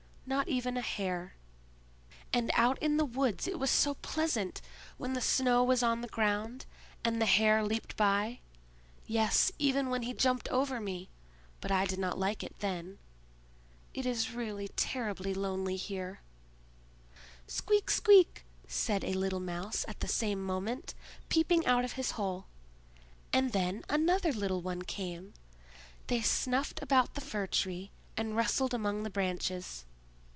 Not even a hare. And out in the woods it was so pleasant, when the snow was on the ground, and the hare leaped by; yes—even when he jumped over me; but I did not like it then. It is really terribly lonely here!" "Squeak! squeak!" said a little Mouse at the same moment, peeping out of his hole. And then another little one came. They snuffed about the Fir tree, and rustled among the branches.